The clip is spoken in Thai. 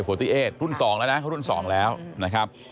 บีเอ็นเค๔๘รุ่น๒แล้วนะครับ